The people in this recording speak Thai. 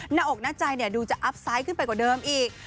หน้าอกหน้าใจดูจะอัพไซต์ขึ้นไปกว่าเดิมอีก